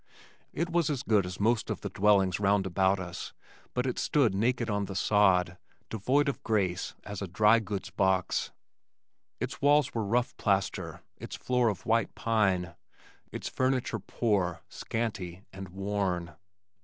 It was as good as most of the dwellings round about us but it stood naked on the sod, devoid of grace as a dry goods box. Its walls were rough plaster, its floor of white pine, its furniture poor, scanty and worn.